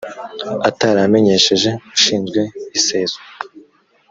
ataramenyesheje ushinzwe iseswa